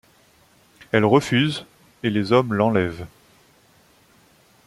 Elle refuse, et les hommes l'enlèvent.